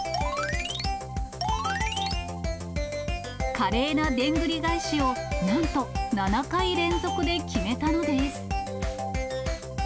華麗なでんぐり返しを、なんと７回連続で決めたのです。